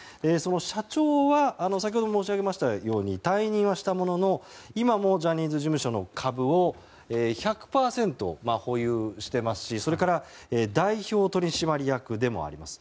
社長は先ほども申し上げたように退任はしたものの今もジャニーズ事務所の株を１００％保有していますしそれから代表取締役でもあります。